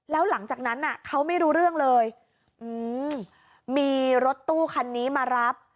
แล้วหลังจากนั้นเขาไม่รู้เรื่องเลยมีรถตู้คันนี้มารับ